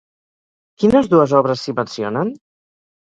Quines dues obres s'hi mencionen?